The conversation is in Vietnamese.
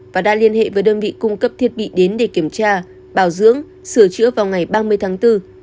và đã liên hệ với đơn vị cung cấp thiết bị đến để kiểm tra bảo dưỡng sửa chữa vào ngày ba mươi tháng bốn